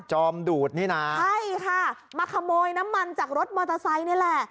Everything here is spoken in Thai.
อมดูดนี่นะใช่ค่ะมาขโมยน้ำมันจากรถมอเตอร์ไซค์นี่แหละ